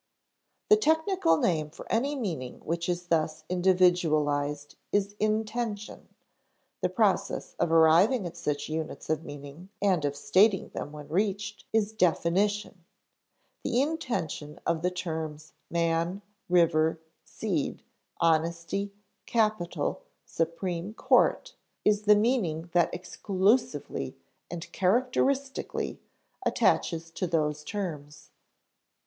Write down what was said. The technical name for any meaning which is thus individualized is intension. The process of arriving at such units of meaning (and of stating them when reached) is definition. The intension of the terms man, river, seed, honesty, capital, supreme court, is the meaning that exclusively and characteristically attaches to those terms.